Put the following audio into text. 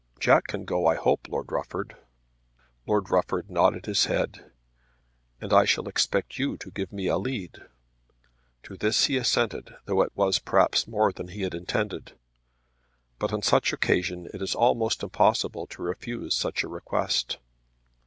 "Jack can go, I hope, Lord Rufford." Lord Rufford nodded his head. "And I shall expect you to give me a lead." To this he assented, though it was perhaps more than he had intended. But on such an occasion it is almost impossible to refuse such a request.